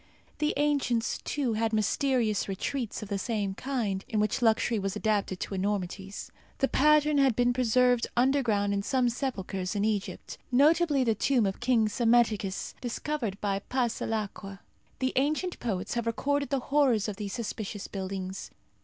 The ancients, too, had mysterious retreats of the same kind, in which luxury was adapted to enormities. The pattern has been preserved underground in some sepulchres in Egypt, notably in the tomb of King Psammetichus, discovered by Passalacqua. The ancient poets have recorded the horrors of these suspicious buildings.